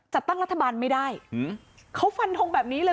จะพูดคุยกันได้